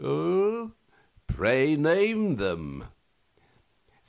Q. Pray name them.